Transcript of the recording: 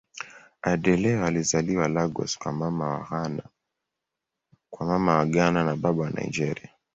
Adeola alizaliwa Lagos kwa Mama wa Ghana na Baba wa Nigeria.